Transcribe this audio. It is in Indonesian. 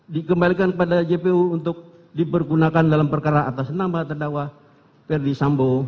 dikembalikan kepada jpu untuk dipergunakan dalam perkara atas